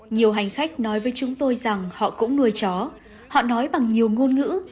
nhiều hành khách nói với chúng tôi rằng họ cũng nuôi chó họ nói bằng nhiều ngôn ngữ